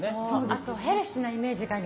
あとヘルシーなイメージがあります。